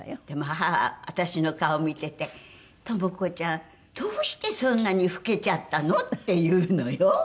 でも母は私の顔見てて「トモ子ちゃんどうしてそんなに老けちゃったの？」って言うのよ。